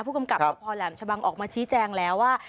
ผู้กำกับสพแหลมชะบังออกมาชี้แจงแล้วว่า